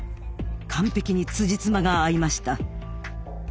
完璧につじつまが合いました。